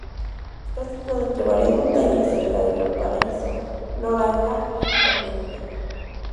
Está situado entre varias montañas, cerca de Valparaíso, Loranca y Olmedilla.